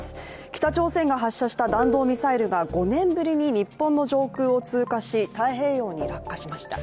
北朝鮮が発射した弾道ミサイルが５年ぶりに日本の上空を通過し、太平洋に落下しました。